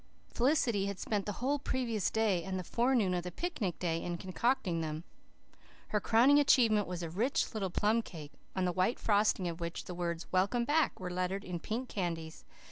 Felicity had spent the whole previous day and the forenoon of the picnic day in concocting them. Her crowning achievement was a rich little plum cake, on the white frosting of which the words "Welcome Back" were lettered in pink candies.